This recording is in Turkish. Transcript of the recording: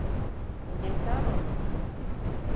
Minnettar olmalısın.